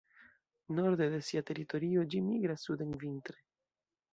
Norde de sia teritorio ĝi migras suden vintre.